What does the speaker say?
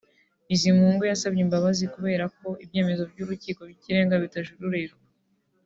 Bizimungu yasabye imbabazi kubera ko ibyemezo by’Urukiko rw’Ikirenga bitajuririrwa